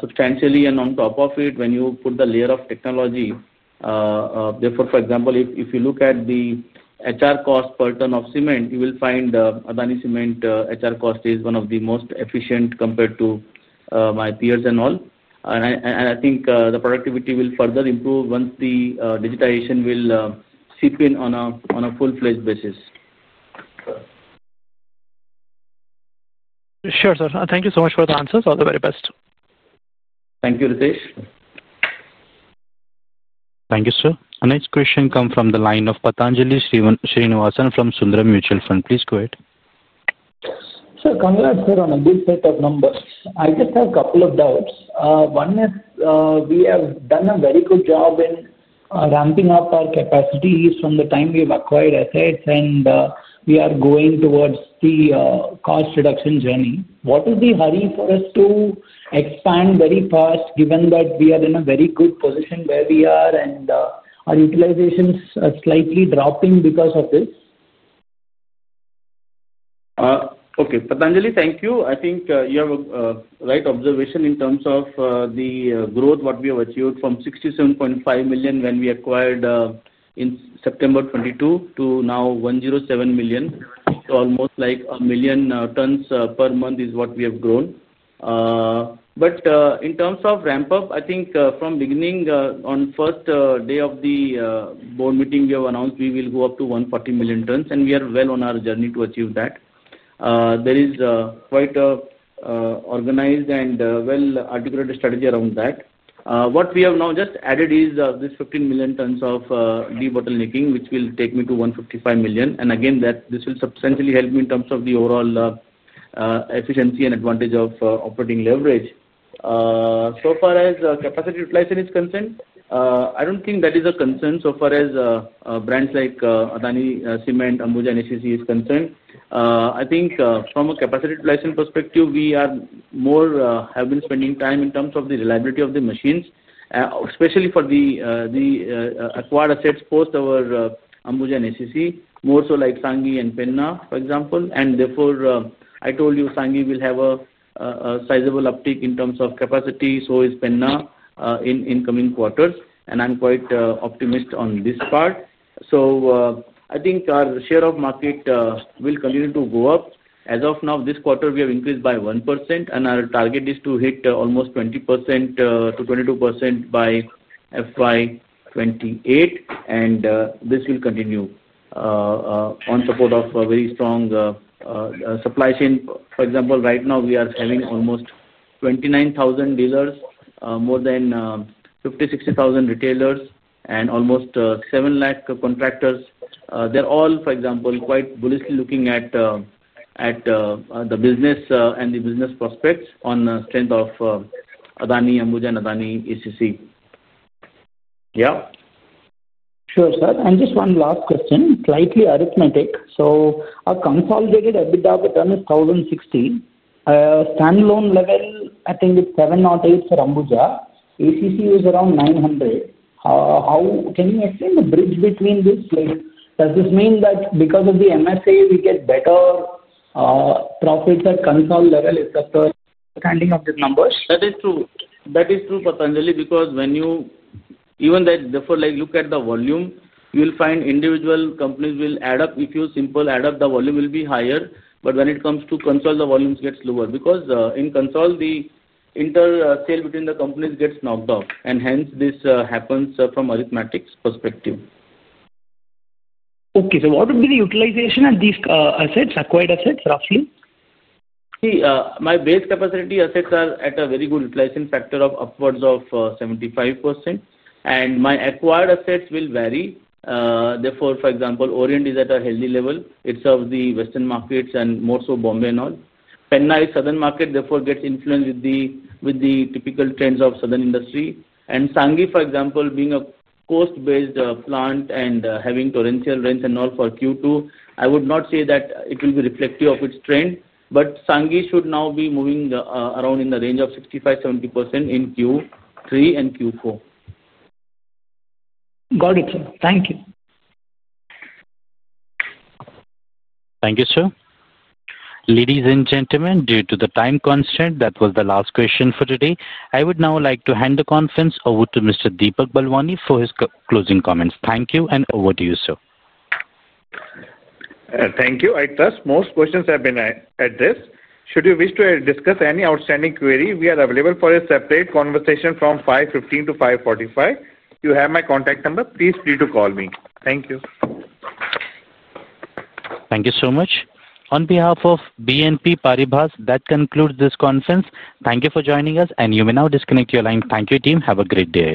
substantially. On top of it, when you put the layer of technology, therefore, for example, if you look at the HR cost per ton of cement, you will find Adani Cement HR cost is one of the most efficient compared to my peers and all. I think the productivity will further improve once the digitization will seep in on a full-fledged basis. Sure, sir. Thank you so much for the answers. All the very best. Thank you, Ritesh. Thank you, sir. Our next question comes from the line of Pathanjali Srinivasan from Sundaram Mutual Fund. Please go ahead. Sir, congrats, sir, on a good set of numbers. I just have a couple of doubts. One is we have done a very good job in ramping up our capacities from the time we have acquired assets, and we are going towards the cost reduction journey. What is the hurry for us to expand very fast, given that we are in a very good position where we are and our utilization is slightly dropping because of this? Okay. Pathanjali, thank you. I think you have a right observation in terms of the growth, what we have achieved from 67.5 million when we acquired in September 2022 to now 107 million. Almost like a million tons per month is what we have grown. In terms of ramp-up, I think from beginning, on first day of the board meeting, we have announced we will go up to 140 million tons. We are well on our journey to achieve that. There is quite an organized and well-articulated strategy around that. What we have now just added is this 15 million tons of debottlenecking, which will take me to 155 million. Again, this will substantially help me in terms of the overall efficiency and advantage of operating leverage. So far as capacity utilization is concerned, I do not think that is a concern so far as brands like Adani Cement, Ambuja NSC is concerned. I think from a capacity utilization perspective, we have been spending time in terms of the reliability of the machines, especially for the acquired assets post our Ambuja NSC, more so like Sanghi and Penna, for example. Therefore, I told you Sanghi will have a sizable uptick in terms of capacity. So is Penna in incoming quarters. I am quite optimistic on this part. I think our share of market will continue to go up. As of now, this quarter, we have increased by 1%. Our target is to hit almost 20%-22% by FY 2028. This will continue on support of a very strong supply chain. For example, right now, we are having almost 29,000 dealers, more than 50,000-60,000 retailers, and almost 700,000 contractors. They are all, for example, quite bullishly looking at the business and the business prospects on the strength of Adani, Ambuja, and Adani NSC. Sure, sir. Just one last question, slightly arithmetic. A consolidated EBITDA per ton is 1,060. Standalone level, I think it is 708 for Ambuja. ACC is around 900. Can you explain the bridge between this? Does this mean that because of the MSA, we get better profits at console level except for standing of the numbers? That is true. That is true, Patanjali, because when you even therefore look at the volume, you will find individual companies will add up. If you simply add up, the volume will be higher. When it comes to console, the volumes get lower because in console, the inter-sale between the companies gets knocked off. Hence, this happens from arithmetic perspective. Okay. What would be the utilization of these assets, acquired assets, roughly? My base capacity assets are at a very good utilization factor of upwards of 75%. My acquired assets will vary. Therefore, for example, Orient is at a healthy level. It serves the Western markets and more so Bombay and all. Penna is Southern market, therefore gets influenced with the typical trends of Southern industry. Sangi, for example, being a coast-based plant and having torrential rains and all for Q2, I would not say that it will be reflective of its trend. Sangi should now be moving around in the range of 65%-70% in Q3 and Q4. Got it, sir. Thank you. Thank you, sir. Ladies and gentlemen, due to the time constraint, that was the last question for today. I would now like to hand the conference over to Mr. Deepak Balwani for his closing comments. Thank you. Over to you, sir. Thank you. I trust most questions have been addressed. Should you wish to discuss any outstanding query, we are available for a separate conversation from 5:15 P.M. to 5:45 P.M. You have my contact number. Please feel free to call me. Thank you. Thank you so much. On behalf of BNP Paribas, that concludes this conference. Thank you for joining us. You may now disconnect your line. Thank you, team. Have a great day.